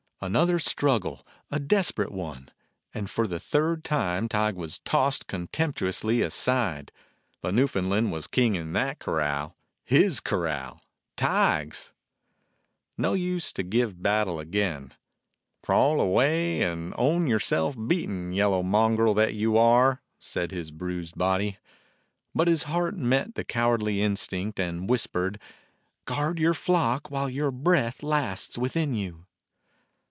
Another struggle, a desperate one; and for the third time Tige was tossed contemptu ously aside. The Newfoundland was king in that corral; his corral — Tige's! 16 A DOG OF THE SIERRA NEVADAS No use to give battle again. "Crawl away and own yourself beaten, yellow mongrel that you are!" said his bruised body. But his heart met the cowardly instinct and whis pered: "Guard your flock while your breath lasts within you."